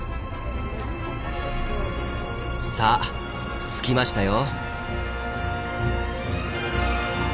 さあ着きましたよ。